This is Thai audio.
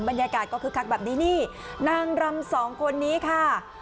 บรรยากาศก็คึกคักแบบนี้นี่นางรำสองคนนี้ค่ะ